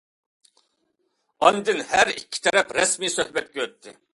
ئاندىن ھەر ئىككى تەرەپ رەسمىي سۆھبەتكە ئۆتتى.